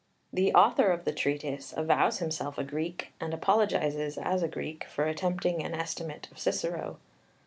The author of the Treatise avows himself a Greek, and apologises, as a Greek, for attempting an estimate of Cicero.